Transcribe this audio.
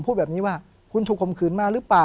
ผมก็ไม่เคยเห็นว่าคุณจะมาทำอะไรให้คุณหรือเปล่า